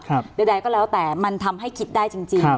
หรืออะไรก็แล้วแต่มันทำให้คิดได้จริง